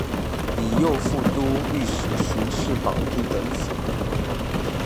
以右副都御史巡视保定等府。